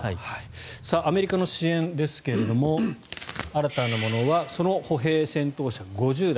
アメリカの支援ですが新たなものはその歩兵戦闘車５０台。